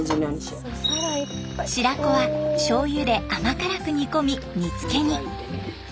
白子はしょうゆで甘辛く煮込み煮付けに。